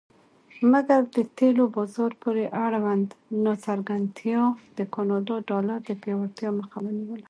مګر د تیلو بازار پورې اړوند ناڅرګندتیا د کاناډا ډالر د پیاوړتیا مخه ونیوله.